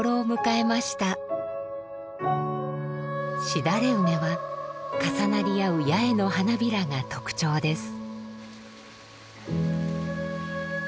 シダレウメは重なり合う八重の花びらが特徴です。